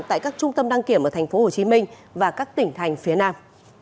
tại các trung tâm đăng kiểm ở tp hcm và các tỉnh thành phía nam